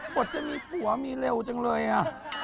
บทจะมีผัวมีเร็วจังเลยอ่ะ